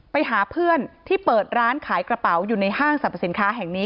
ไปหาเพื่อนที่เปิดร้านขายกระเป๋าอยู่ในห้างสรรพสินค้าแห่งนี้